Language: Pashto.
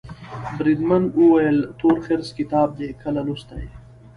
بریدمن وویل تورخرس کتاب دي کله لوستی.